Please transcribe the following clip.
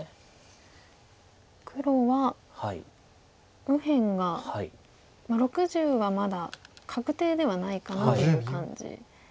黒は右辺が６０はまだ確定ではないかなという感じですかね。